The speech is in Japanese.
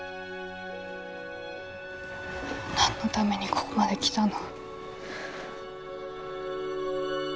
何のためにここまで来たの。